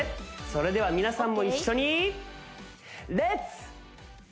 それでは皆さんも一緒にＯＫ